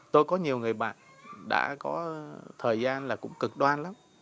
tôi có nhiều người bạn đã có thời gian là cũng cực đoan lắm